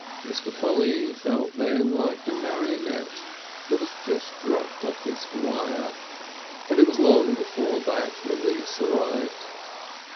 Mr. Polly felt then like a marionette that has just dropped off its wire. But it was long before that release arrived.